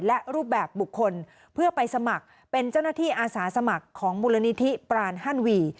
และรูปแบบบุคคลเพื่อไปสมัครเป็นเจ้าหน้าที่อาสาสมัครของมูลนิธิปรานฮันวี